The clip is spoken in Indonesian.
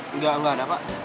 enggak enggak ada pak